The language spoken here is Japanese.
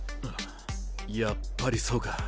やっぱりそうか。